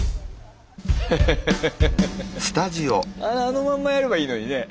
あのまんまやればいいのにね。